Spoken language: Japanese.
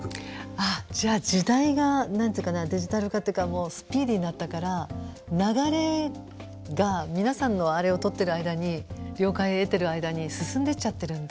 ああじゃあ時代が何て言うかなデジタル化というかスピーディーになったから流れが皆さんのあれを取ってる間に了解得てる間に進んでっちゃってるんだ。